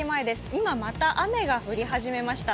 今、また雨が降り始めました。